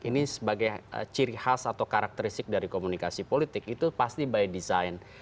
ini sebagai ciri khas atau karakteristik dari komunikasi politik itu pasti by design